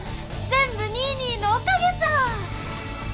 全部ニーニーのおかげさ！